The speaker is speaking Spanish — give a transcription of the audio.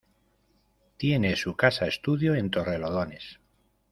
Tiene su casa estudio en Torrelodones.